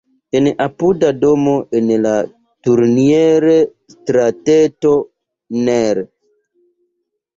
En apuda domo en la Turnier-strateto nr.